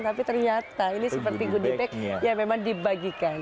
tapi ternyata ini seperti goodie bag yang memang dibagikan